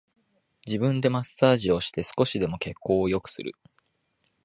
自分でマッサージをして少しでも血行を良くする